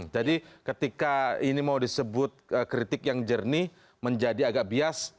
jadi ketika ini mau disebut kritik yang jernih menjadi agak bias